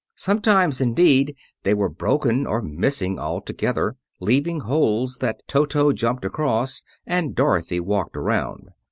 Sometimes, indeed, they were broken or missing altogether, leaving holes that Toto jumped across and Dorothy walked around.